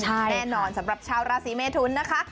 แน่นอนสำหรับชาวราศีเมทุนนะคะ